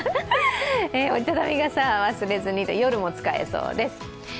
折り畳み傘忘れずに、夜も使えそうです。